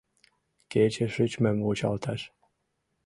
— Кече шичмым вучалташ.